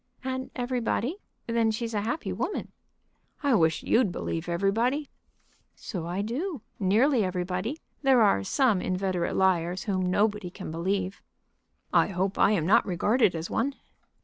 "And everybody? Then she's a happy woman." "I wish you'd believe everybody." "So I do; nearly everybody. There are some inveterate liars whom nobody can believe." "I hope I am not regarded as one."